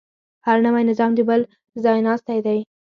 هر نوی نظام د بل ځایناستی دی.